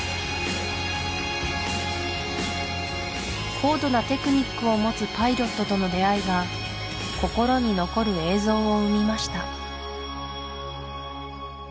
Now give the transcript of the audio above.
高度なテクニックをもつパイロットとの出会いが心に残る映像を生みました